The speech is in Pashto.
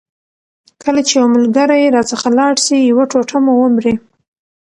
کله چي یو ملګری راڅخه لاړ سي یو ټوټه مو ومري.